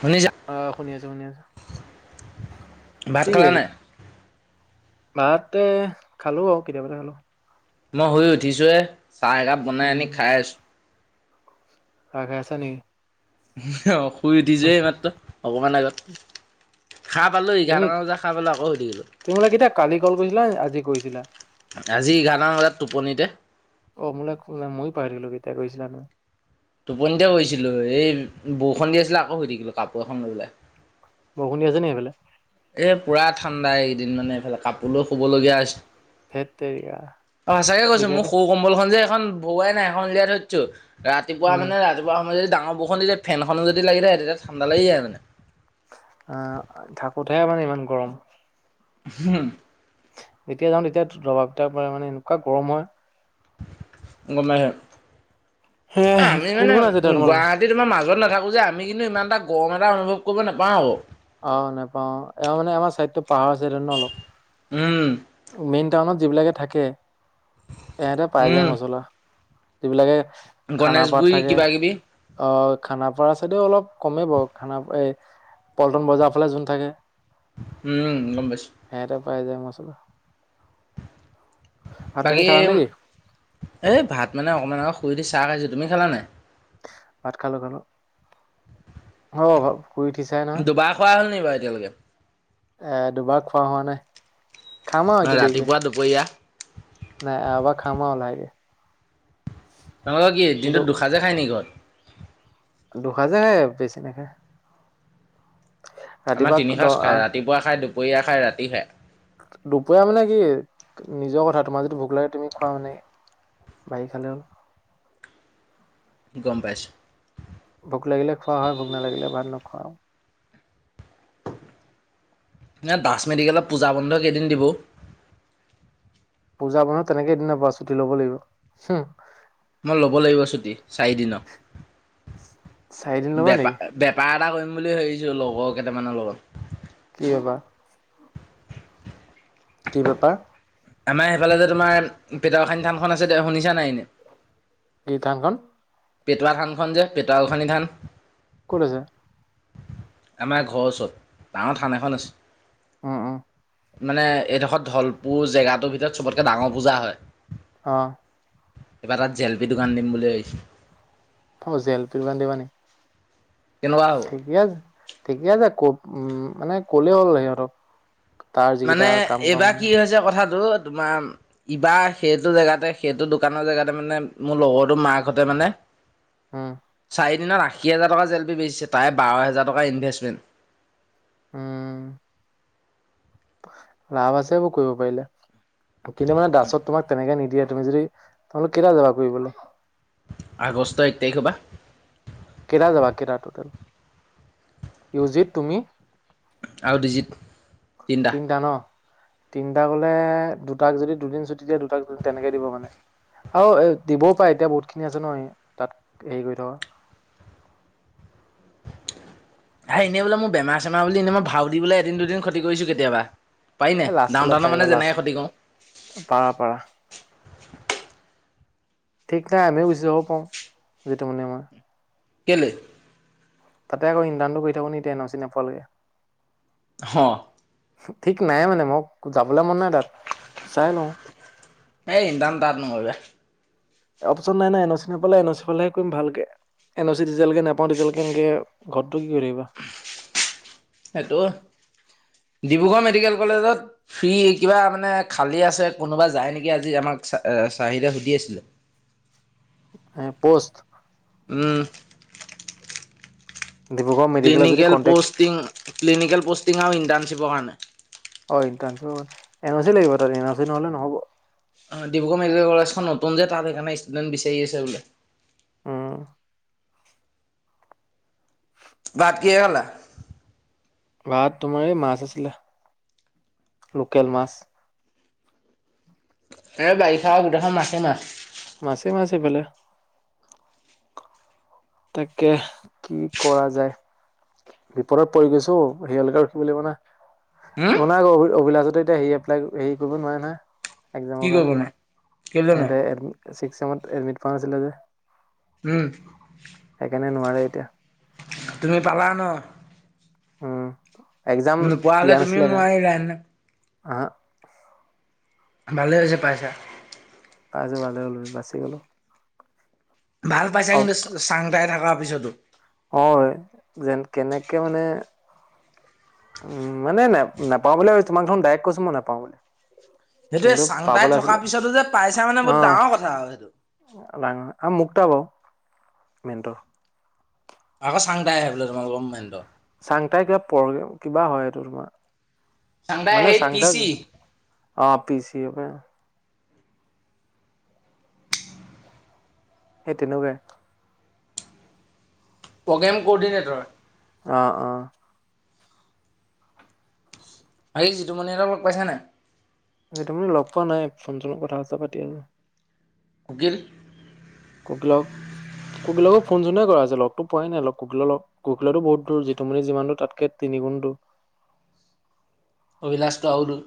শুনিছা অ' শুনি আছো, শুনি আছো। ভাত খালা নাই? ভাতে খালো আৰু কেতিয়াবাতে খালো। মই শুই উঠিছো এ। চাহ একাপ বনাই আনি, উম খাই আছো। চাহ খাই আছা নেকি? অ'। শুই উঠিছে এইমাত্ৰ। অকমান আগত। সাৰ পালো, তুমি এঘাৰটা বজাত সাৰ পালো। আকৌ উঠি গলো। তুমি মোলে কেতিয়া কালি কল কৰিছিলা নে আজি কৰিছিলা আজি এঘাৰটা বজাত টো টোপনিতে। অ' মোলে ময়ো পাহৰিলো কেতিয়া কৰিছিলা নহ। টোপনিতে গৈছিলো। এই বৰষুখন দি আছিলে, আকৌ শুই থাকিলো। কাপোৰ এখন লৈলে। অ' বৰষুণ দি আছে নেকি সেইফালে। এ! পুৰা ঠাণ্ডা এইেইদিন। মানে এইফালে, কাপোৰো শুবলগীয়া হৈছে। ধেত তেৰিকা অ' সচাগে কৈছো, যেতিয়া মোক সৌ কম্বল খন যে- এখন ভুৱাই নাই এখন ওঁলিয়াই থৈ দিছো। ৰাতিপুৱা উম মানে, ৰাতিপুৱা সময়তে- ডাঙৰ বৰষুণ দি দিলে ফেনখনোদি লাগি থাকে। তেতিয়া ঠাণ্ডা লাগি যায় মানে। অ'হ থাকোতহে মানে ইমান গৰম। হুম। যেতিয়া যাওঁ, তেতিয়া দবাইটাৰ মানে এনেকুৱা গৰম হয়। গম নাই হে আৰু অ' আমি কোন মানে কোন আছে এতিয়া উ'ম তোমালোকৰ গুৱাহাটী তোমাৰ মাজত নাথাকো। আকৌ যে, আমি কিন্তু ইমান এটা গৰম এটা অনুভৱ কৰিব নাপাওঁ। ওঁ। অ'হ নোপাও, এ মানে আমাৰ চাইডতো পাহাৰ আছে ন' অলপ। উ'ম। মেইন টাউনত যিবিলাকে থাকে- এহেতে পাই যায় উম মছলা। যিবিলাকে- খানাপাৰাত গণেশগুৰি থাকে কিবা কিবি অ', খানাপাৰা চাইদেও অলপ কমেই বাৰু খানাপ এই পল্টন বজাৰৰ ফালে যোন থাকে। উমম! গম পাইছো। সেহেতে পাই যায় মচলা বাকী নেকি? এ ভাত মানে অকমান [unintelligible] শুই উঠি চাহ খাইচো, তুমি খালা নাই? ভাত খালো খালো [unintelligible] শুই উঠিছাই নহ, দুবাৰ খোৱা হ'ল নি বাৰু এতিয়ালৈকে? এ দুবাৰ খোৱা হোৱা নাই খাম আৰু এতিয়া দেৰিকে ৰাতিপুৱা দুপৰীয়া [unintelligible] খাম আৰু লাহেকে তোমালোকৰ কি দিনটোত দুসাঁজে খাই নেকি ঘৰত? দুসাঁজে খায় বেছি নেখায়। আমাৰ তিনি দ সাঁজ খাই আঠ ৰাতিপুৱা খাই [unintelligible] দুপৰীয়া খাই ৰাতি খাই। দুপৰীয়া মানে কি নিজৰ কথা তোমাৰ যদি ভোক লাগে তুমি খোৱা, মানে বাঢ়ি খালে হ'ল। গম পাইছো। ভোক লাগিলে খোৱা হয় ভোক নালাগিলে ভাত [unintelligible] [unintelligible] দাস মেডিকেলত পূজা বন্ধ কেইদিন দিব পূজা বন্ধ তেনেকে এদিন [unintelligible] ছুটি লব লাগিব হম মই ল'ব লাগিব ছুটি চাৰিদিনৰ চাৰিদিন ল'বা বেপা নেকি? বেপাৰ এটা কৰিম। বুলি ভাবিছো লগৰ কেইটামানৰ লগত কি বেপাৰ? কি বেপাৰ? আমাৰ সেইফালে যে তোমাৰ পেটুৱা গোঁসানী থানখন আছে, শুনিছা নাই এনে কি থান খন পেটোৱা থানখন যে পেটুৱা গোঁসানী থান। কত আছে। আমাৰ ঘৰৰ ওচৰত ডাঙৰ থান এখন আছে, উম উম! মানে? এই [unintelligible] ধলপুৰ জেগাত ৰ ভিতৰত চবতকে ডাঙৰ পূজা হয়। অ! এইবাৰ তাত জেলপি দোকান দিম বুলি ভাবিছোঁ। ত জেলপি দোকান দিবা নেকি? কেনেকুৱা হ'ব? ঠিকেই আছে ঠিকেই আছে ক'। উম মানে কলে হ'ল সিহঁতক তাৰ মানে যিকেইটা কাম কৰা এইবাৰ মানুহ কি হৈছে কথা। -টো তোমাৰ ইবাৰ সেইটো জেগাতে সেইটো দোকানৰ জেগাতে মানে মোৰ লগৰটো মাকহঁতে মানে উম! চাৰি দিনত আশী হাজাৰ টকা জ এেল বি বেচিছে। তাই বাৰ হোজাৰ টকাৰ ইনভেষ্টমেণ্ট। উম' লাভ আছে বোৰ কৰিব পাৰিলে। কিন্তু মানে দাছত তোমাক তেনেকে নিদিয়ে। মি তমোক কেৰা যাবা ক বোলেো? আগষ্ট এক তাৰিখ হ'বা। কেইটা যাবা কেইটা, টটেল ইউজিত তুমি? আৰু ডৰিজিত দতিণ্ডা। তিনিটা ন? তিনিটা কলে দুটাক যদি দুদিন ছুটি দিয়ে, দুটাকদ তেনেকে দিব মানে আৰু। এ দিবও পাৰে, এতিয়া বহুত খিনি আছে ন, তাত হেৰি কৰি থকা। হ এনেই বোলে, মোৰ বেম-চেমাৰ বুলি এনেই মই ভও দি বোলে দিন দুদিন ক্ষতি কৰিছো কেতিয়াবা। পাৰি ননে এই লাষ্টলৈ ডাউন উনৰ পাৰিবা মানে লাষ্ট যেনেকৈ ক্ষতি কৰো। পাৰা পাৰা [unintelligible] ঠিক নহাই আমিও বুচিাব পাওঁ। যিটো মানে আমাৰ- গলৈ? তাতে আকৌ ইণ্ধণটো কৰি থাক নি? এতিয়া এন চি নাপালৈকে। হ' ঠিক নাই মানে মই যাবলৈ মন নাই তাত। চাই লওঁ! এইদাম তাত নহয়গা। অপশচন নাই নাই এন চি নে এন চি পালেে কৰিম ভালকে, এনিজ নাওঁজ- কি কৰিবি বা? সেইটো ডিব্ৰুগড় মেডিকেল কলেজত ফ্ৰী কিবা মানে, খালী আছে কোনোবা যায় নেকি আজি আমাক চাহিদে সুধি আছিলোঁ। এ পোস্ত? উম' ডিব্ৰুগড় মেডিকেলত যদি ক্লিনিকেল কণ্টেক্ট পষ্টিং, ক্লিনিকেল পষ্টি টঙও ইণ্টাৰ্ণশ্বিপৰ কাৰণে। এ আৰ চি লাগিব ত এন আৰ চি নহলে নহ'ব। অ' ডিব্ৰুগড় মেডিকেল কলেজখন নতুন যে তাত সেইকাৰণে ষ্টুডেণ্ট বিচাৰি আছে বোলে। আহম' বাট কিয় গলা? ভাত তোমাৰ এই মাছ আছিলে, লোকেল মাছ। এই বাৰিষা আৰু গোটেইখন মাছেই, মাছ। মাছেই মাছ এই ফালে। তাকে কি কৰা যায়, বিপদত পৰি গৈছো অ', হেৰিয়ালকে ৰখিব লাগিব না। উম অক অ' [unintelligible] অভিলাষহ'তে এতিয়া হৰি এপ্লাই, হেৰি কৰিব নোৱাৰে নহয়। কি এক্সামৰ কাৰণে। কৰিবনো কেলে নাই সিহ'তে ছিক্স চেমত এদ্মিত কৰা নাছিলে যে। উম। সেইকাৰণে নোৱাৰে এতিয়া। তুমি পালা ন, উম। এক্সাম নপোৱা হ'লে তুমিও নোৱাৰিলে হেতেন। অ' ভালে হৈছে পাইছা। পাইছে ভালে হ'ল বাচি গলো। ভাল পাইছা কিন্তু চাংটাই থাকা পিছতো, হয় যেন কেনেকে মানে উম মানে ন নাপাওঁ বুলিয়ে, তোমাক দখোন ডাইৰেক কৈছো মই নোপাওঁ বুলি। সেইটোৱে কিন্তু চাংটাই পাবলৈ থকাৰ আছিলে পিছতো যে পাইছা মানে বহুত ডাঙৰ কথা আৰু সেইটো। আ মুকটা বাও মেইণ্টৰ, আকৌ চাংতাই আহে বোলে তোমালোকৰ মেণ্টৰ। চাংতাই কিবা পৰগে কিবা হয় এইটো তোমাৰ, চাংডাই মানে সে পি চাংটাক চি, অ' পিছি সেই তেনেকুৱাই। Programme coordinator. অ'-অ' আজি যিটোমণি হ'তক লগ পাইছা নে নাই? যিতুমনিক লগ পোৱা নাই, ফোন চোনত কথা চথা পাতি আছো। কুকিল কুকিলাক কুকিলাকো ফোন চোনে কৰা হৈছে, লগতো পোৱাই নাই, কুকিল লগ কুকিলৰতো বহুত দূৰ, যিটুমনিৰ যিমান দুৰ তাতকে তিনি গুণ দুৰ। অবিলাসটো আৰু দূৰ।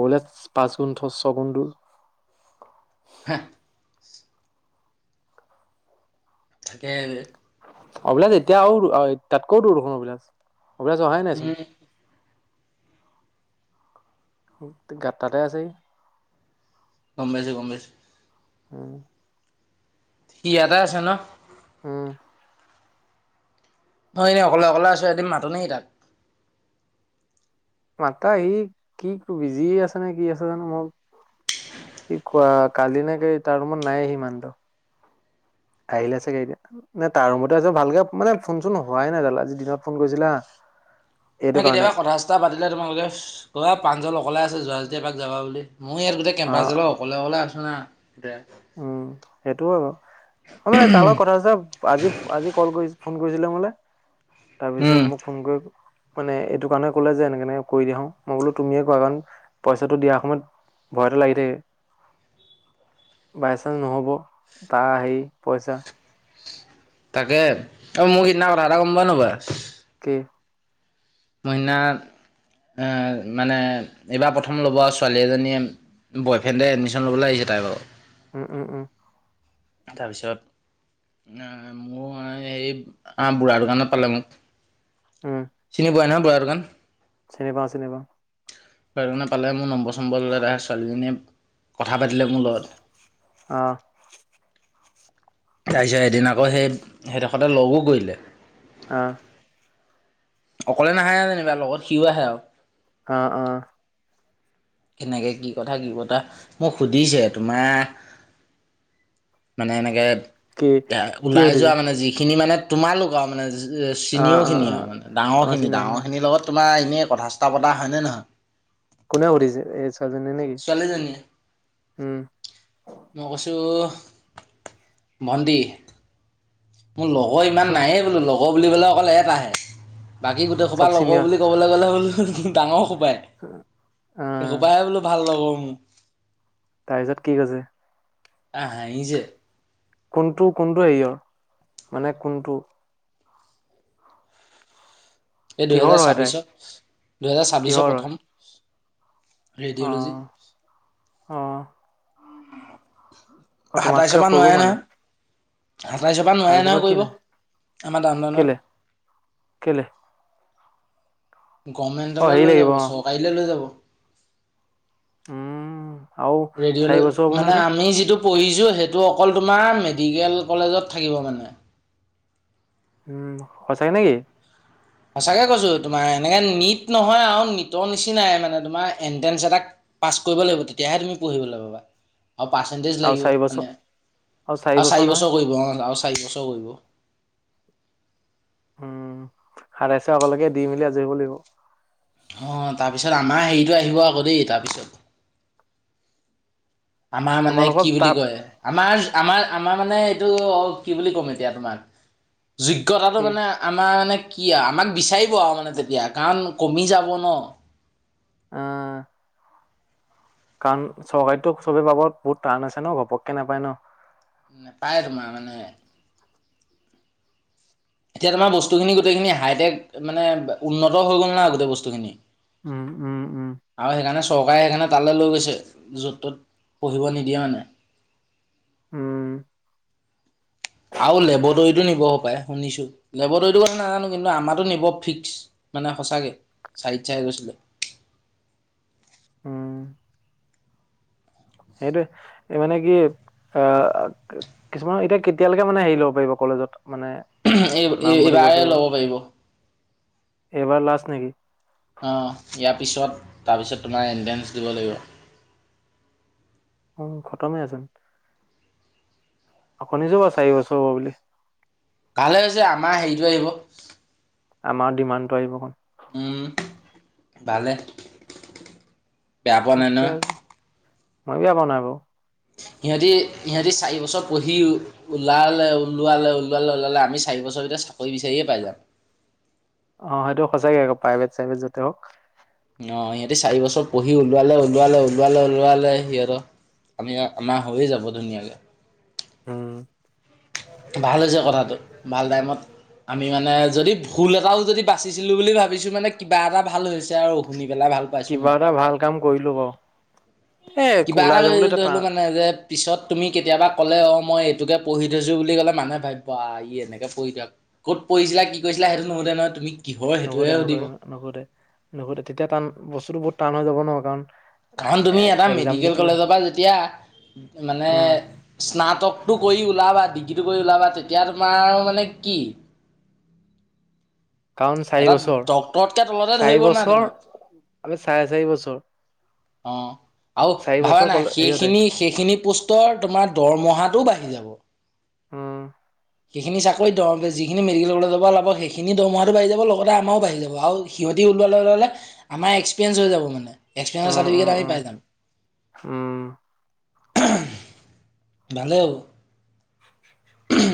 অবিলাচৰ পাঁচ গুন, ছগুন দুৰ। হে, [unintelligible] থাকে, অভিলাশ এতিয়া আৰু তাতকৈও দুৰ দেখোন অভিলাষ, অবিলাচ অহাই উম নাইচোন। [unintelligible] গম পাইছো গম পাইছো। উম, সি এয়াতে আছে ন, উম, মই এনেই অকলে-অকলে আছো এদিন মাতো নি তাক। মাতা সি কি বিজি আছে নে কি আছে জানো, মোক সি কোৱা কালি নে কি তাৰ ৰুমত নাই সি মানুহটো। আহিলে চাগে এতিয়া, নে তাৰ ৰুমতে আছে, ভালকে মানে ফোন চোন হোৱাই নাই তাৰ লগত। আজি দিনত ফোন কৰিছিল হা' কেতিয়াবা কথা চথা পাতিলে তোমালোকে কোৱা প্ৰাঞ্জল অকলে আছে যোৱা যদি এপাক যাবা বুলি, মইও ইয়াত গোটেই কেম্পাছ অ ডালৰ অকলে-অকলে আছো না। দে উম, সেইটো হয় বাৰু। হয় মানে তাৰ লগত কথা চথা, আজি আজি ক'ল কৰি ফোন কৰিছিলে। [unintelligible] তাৰপিছত উম মোক ফোন কৰি মানে এইটো কাৰণে কলে যে এনেকে এনে কৰি দি দিয়াচোন, মই বোলো তুমিয়ে কোৱা কাৰণ পইচাটো দিয়াৰ সময়ত ভয় এটা লাগি থাকে। বাই চাঞ্চ নহ'ব, তাৰ আহি পইচা। তাকে, অ মোৰ সিদিনা কথা এটা গম পোৱা নোপোৱা? কি? মইনাত এ মানে এইবাৰ প্ৰথম ল'ব ছোৱালী এজনীয়ে বয়ফ্ৰেণ্ডে এডমিশন ল'বলে আহিছে তাই বাৰু। উম উম। তাৰপিছত আ মোৰ হেৰিত আ বুঢ়াৰ দোকানত পালে মোক। উম চিনি পোৱা ন বুঢ়াৰ দোকান। চিনি পাওঁ চিনি পাওঁ। [unintelligible] পালে মোৰ নম্বৰ চম্বৰ ল'লে তাই ছোৱালীজনীয়ে কথা পাতিলে মোৰ লগত। অ। যাই যাই এদিন আকৌ সেই সেই দশতে লগো কৰিলে। অঁ। অকলে নাহেয়ে যেনিবা, লগত সিও আহে আৰু। অ', অ'। সেনেকে কি কথা কি বতা মোক সুধিছে তোমাৰ মানে এনেকে কি [unintelligible] কি ওলাই যোৱা সুধিছে মানে যিখিনি মানে। তোমালোক আৰু মানে [unintelligible] আহ আহ চিনিঅখিনি আৰু আহ মানে আমাৰ ডাঙৰখিনি - চিনিয়ৰ খিনি ডাঙৰখিনিৰ লগত। তোমাৰ এনেই কথা ছটা পতা হয়নে নহয়? কোনে সুধিছে যে এজ ছোৱালীজনীয়ে। উম। মই কৈছোঁ, ভণ্টী - - মোৰ লগৰ ইমান নাইয়ে বোলো লগৰ বুলিব'ল অকল এটাহে। বাকী গোটেইখোপা চব লগৰ চিনিয়ৰ বুলি ক'বলৈ গ'লে হ'ল। ডাঙৰ খপ [unintelligible] এই আহ সোপাই বোলো ভাল লগৰ। উম, তাৰপিছত কি হৈছে? আহ, হাহিছে। কোনটো-কোনটো হেৰিয়ৰ মানে কোনটো? এই কিহৰ দুহেজাৰ হয় তাই ছাব্বিছত- দুহেজাৰ ছাব্বিছৰ প্ৰথম। ৰেডিঅ'লজি অহ', অহ', সাতাইছ পা সৰু নোৱাৰে মানে নহয় আঠাইচৰ পা নোৱাৰে আঢ়ৈচপা নহয় কি নাই কৰিব আমাৰ ডাউন কেলে টাউনত। কেলে অ গভমেণ্টলৈ হেৰি লৈ লাগিব যাব অ চৰকাৰীলে লৈ যাব। উম, আও চাৰি বছৰ [unintelligible] এইটো? প‌ঢ়িছোঁ সেইটো অকল তোমাৰ মেডিকেল কলেজত থাকিব মানে। উম, সচাই নেকি? সঁচাকে কৈছোঁ তোমাৰ এনেকে নীট নহয় আৰু নীটৰ নিচিনাই মানে তোমাৰ এণ্ট্ৰেঞ্চ এটা পাছ কৰিব লাগিব তেতিয়াহে তুমি পঢ়িবলৈ পাবা। আৰু পাৰ্চেণ্টেজ আৰু লাগিব চাৰি বছৰ মানে চাৰি আৰু বছৰ নহয় চাৰিবছৰ কৰিব অ, আৰু চাৰি বছৰ কৰিব। উম, সাতাইছ আগলৈকে দি মেলি আজৰি হ'ব লাগিব। অ' তাৰপিছত আমাৰ হেৰিটো আহিব আকৌ দেই তাৰপিছত আমাৰ মানে তোমালোকৰ কি বুলি তাত কয়, আমাৰ আমাৰ - আমাৰ মানে এইটো কি বুলি ক'ম এতিয়া তোমাক। যোগ্যতাটো কি মানে আমাৰ মানে কি আমাক বিচাৰিব আৰু মানে তেতিয়া কাৰণ কমি যাব ন। অঁ। কাৰণ চৰকাৰীতো চবে বাবদ বহুত টান আছে ন ঘপককে নাপায় ন। নাপায় তোমাৰ মানে। এতিয়া তোমাৰ বস্তুখিনি গোটেইখিনি হাইটেক মানে উন্নত হৈ গ'ল না গোটেই বস্তুখিনি। উম উম। উম আৰু সেইকাৰণে চৰকাৰে সেইকাৰণে তালৈ লৈ গৈছে য'ত ত'ত পঢ়িব নিদিয়ে মানে। উম। আৰু লেবৰটৰীটো নিব পায় শুনিছো লেবটৰীটো কথা নাজানো কিন্তু আমাৰো নিব ফিক্স মানে সঁচাকে সাহিত ছাৰ গৈছিলে। সেইটো মানে কি এ কিছুমান এতিয়া কেতিয়ালৈকে মানে হেৰি ল'ব পাৰিব কলেজত? মানে এই নামভৰ্তি কৰিব এইবাৰ লব পাৰিব। এইবাৰ লাষ্ট নেকি? অঁ ইয়াৰ পিছত তাৰপিছত তোমাৰ এণ্টেঞ্চ দিব লাগিব। উম, খতমেই চোন। অ শুনিছো বাও চাৰি বছৰ হ'ব বুলি। কালে হৈছে আমাৰ হেৰিটো আহিব। আমাৰ ডিমাণ্ডটো আহিব অকন। উম ভালে। পেয়া পোৱা নাই ঠিকে নহয়। আছে মই বিয়া পোৱা নাই বাও। সিহঁতি ইহঁতি চাৰি বছৰ পঢ়ি ওলালে ওলোৱালে ওলোৱালে ওলালে আমি চাৰি বছৰ ভিতৰত চাকৰি বিচাৰিয়ে পাই যাম। অ সেইটো সঁচাকে আকৌ প্ৰাইভেট চাইভেট যতে হওঁক। অ সিহঁতে চাৰি বছৰ পঢ়ি ওলোৱালে ওলোৱালে ওলোৱালে ওলোৱালে সিহঁতৰ আমি আমাৰ হৈয়ে যাব ধুনীয়াকে। উম। ভাল হৈছে কথাটো ভাল টাইমত আমি মানে যদি ভুল এটাও যদি বাচিছিলো বুলি ভাবিছো মানে কিবা এটা ভাল হৈছে আৰু অ শুনি পেলাই ভাল পাইছোঁ কিবা মই। এটা ভাল কাম কৰিলো বাও। কিবা এটা কৰি ধৰিলো মানে যে পিছত তুমি কেতিয়াবা ক'লে অঁ মই এইটোকে পঢ়ি থৈছোঁ বুলি ক'লে মানুহে ভাবি বা ই এনেকৈ পঢ়ি দিয়ক ক'ত পঢ়িছিলা কি কৰিছিলা সেইটো নোসোধে নহয়। তুমি কিহৰ সেইটোহে নোসোধে সুধিব নোসোধে নোসোধে নোসোধে তেতিয়া টান বস্তুটো বহুত টান হৈ যাব ন, কাৰণ কাৰণ এ তুমি এটা এক্সাম দি মেডিকেল পেলাই কলেজৰ পৰা যেতিয়া মানে অ স্না তকটো কৰি ওলাবা ডিগ্ৰীটো কৰি ওলাবা তেতিয়া তোমাৰ মানে কি? কাৰণ চাৰি এটা বছৰ ডক্তৰতকে তলতে চাৰি ধৰিব না বছৰ তোমাক। আমি চাৰে চাৰি বছৰ অ' আৰু চাৰি ভাবা বছৰ নাই কলে হেৰিয়তে সেইখিনি সেইখিনি পোষ্টৰ তোমাৰ দৰমহাটোও বাঢ়ি যাব। অ'। উম। সেইখিনি চাকৰি দ যিখিন মেডিকেল কলেজৰ পৰা ওলাব সেইখিনি দৰমহা বাঢ়ি যাব লগতে আমাৰও বাঢ়ি যাব। আৰু সিহঁতি ওলোৱাৰ লগে লগে আমাৰ এক্সপিৰিয়েঞ্চ হৈ যাব মানে। এক্সপিৰিয়েঞ্চৰ উম উম চাৰটিফিকেট আমি উম পাই যাম। [inaudible] উম ভালেই হ'ব।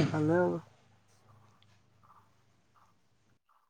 ভালেই হ'ব।